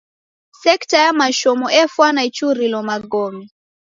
Sekta ya mashomo efwana ichurilo magome.